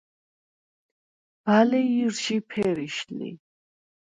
ბალე ჲჷრჟი ფერიშ ლი.